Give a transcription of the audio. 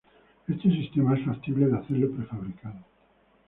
Este sistema es factible de hacerlo prefabricado.